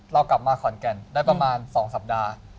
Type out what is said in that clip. เรากลับมาขอนแก่นได้ประมาณ๒สัปดาห์